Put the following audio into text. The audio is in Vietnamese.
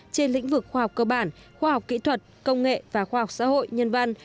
trên lĩnh vực khoa học cơ bản khoa học kỹ thuật công nghệ và khoa học xã hội nhân văn